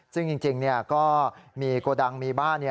ซึ่งจริงก็มีโกดังมีบ้าน